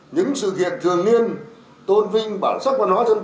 những sự kiện thường niên tôn vinh bản sắc văn hóa dân tộc